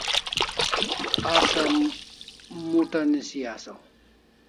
Asa mot'a nisi asaw